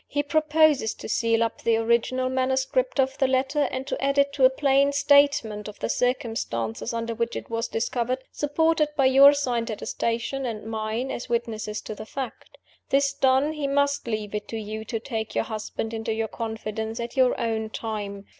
"He proposes to seal up the original manuscript of the letter, and to add to it a plain statement of the circumstances under which it was discovered, supported by your signed attestation and mine, as witnesses to the fact. This done, he must leave it to you to take your husband into your confidence, at your own time.